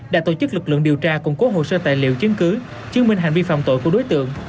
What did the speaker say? đã tổ chức lực lượng điều tra củng cố hồ sơ tài liệu chứng cứ chứng minh hành vi phạm tội của đối tượng